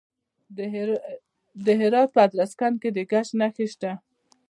د هرات په ادرسکن کې د ګچ نښې شته.